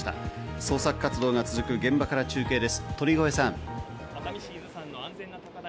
捜索活動が続く現場から中継です、鳥越さん。